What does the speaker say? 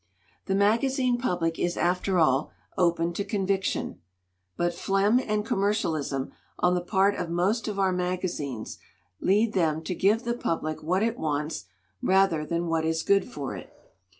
"The magazine public is, after all, open to con viction. But phlegm and commercialism on the part of most of our magazines lead them to give the public what it wants rather than what is good for it.